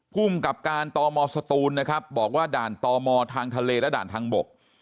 ภูมิกับการตมสตูนนะครับบอกว่าด่านตมทางทะเลและด่านทางบก